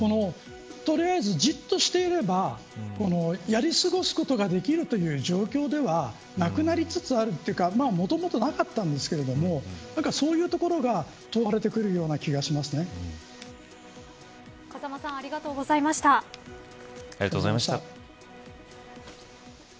とりあえず、じっとしていればやり過ごすことができるという状況ではなくなりつつあるというかもともとなかったんですけれどもそういうところが風間さんありがとうございました。